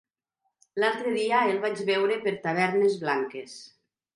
L'altre dia el vaig veure per Tavernes Blanques.